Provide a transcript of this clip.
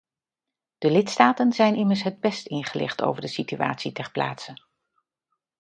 De lidstaten zijn immers het best ingelicht over de situatie ter plaatse.